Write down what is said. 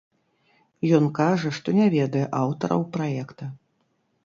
Ён кажа, што не ведае аўтараў праекта.